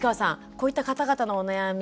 こういった方々のお悩み